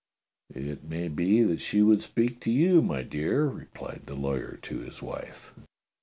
"It may be that she would speak to you, my dear," replied the lawyer to his wife.